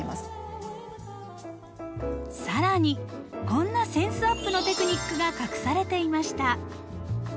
更にこんなセンスアップのテクニックが隠されていました。